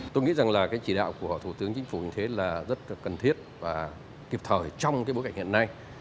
tôi nghĩ rằng là cái chỉ đạo của thủ tướng chính phủ như thế là rất cần thiết và kịp thời trong cái bối cảnh hiện nay